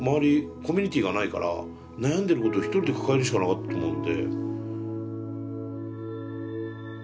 コミュニティーがないから悩んでること１人で抱えるしかなかったと思うんで。